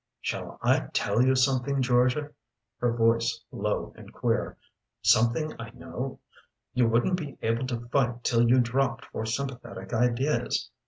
"Shall I tell you something, Georgia?" her voice low and queer. "Something I know? You wouldn't be willing to fight 'till you dropped for sympathetic ideas.